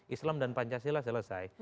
islam dan pancasila selesai